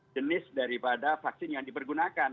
jenis daripada vaksin yang dipergunakan